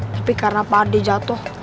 tapi karena pade jatuh